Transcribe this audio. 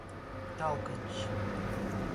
Taukačs.